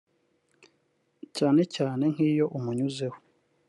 cyane cyane nkiyo umunyuzeho